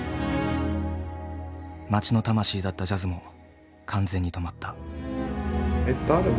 街の魂だったジャズも完全に止まった。